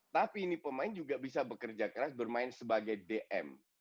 tapi ini pemain juga bisa bekerja keras bermain sebagai dm